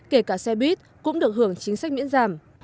kể cả xe buýt cũng được hưởng chính sách miễn giảm